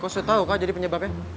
kok sudah tau kak jadi penyebabnya